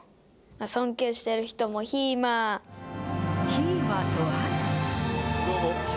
ひーまとは。